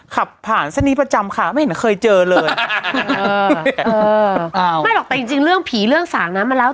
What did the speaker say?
ขับผ่านเส้นนี้ประจำค่ะไม่เห็นเข้าเจอเลย